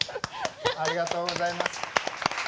ありがとうございます。